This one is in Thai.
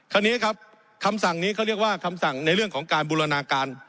คราวนี้ครับคำสั่งนี้เขาเรียกว่าคำสั่งในเรื่องของการบูรณาการ